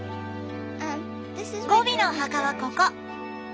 ゴビのお墓はここ！